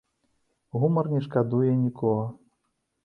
Гумар не шкадуе нікога!